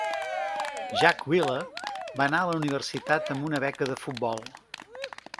Jack Wheeler va anar a la universitat amb una beca de futbol.